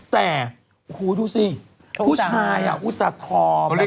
แต่โอ้โหดูสิผู้ชายอ่ะอุตสาธารณ์แบบว่า